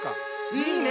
いいね！